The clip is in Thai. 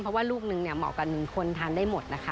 เพราะว่าลูกหนึ่งเหมาะกับคนทานได้หมดนะคะ